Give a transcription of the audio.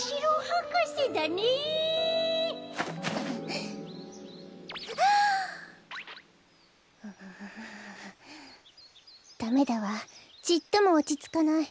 こころのこえダメだわちっともおちつかない。